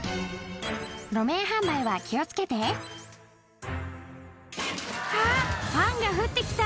路面販売は気を付けてあっファンが降ってきた！